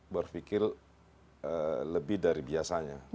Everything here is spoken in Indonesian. berpikir lebih dari biasanya